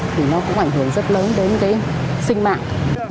thì nó cũng ảnh hưởng rất lớn đến cái sinh mạng